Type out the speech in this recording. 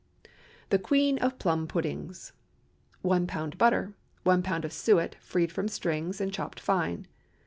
THE QUEEN OF PLUM PUDDINGS. 1 lb. butter. 1 lb. of suet, freed from strings and chopped fine.